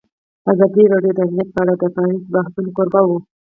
ازادي راډیو د امنیت په اړه د پرانیستو بحثونو کوربه وه.